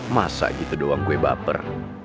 masa gitu doang gue baper